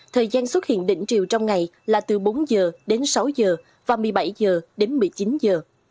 thời gian xuất hiện đỉnh triều trong ngày là từ bốn giờ đến sáu giờ và một mươi bảy giờ đến một mươi chín giờ